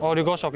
oh digosok ya